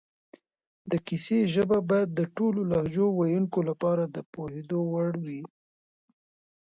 د کیسې ژبه باید د ټولو لهجو ویونکو لپاره د پوهېدو وړ وي